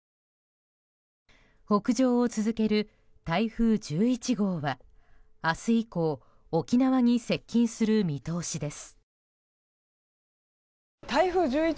北上を続ける台風１１号は明日以降沖縄に接近する見通しです。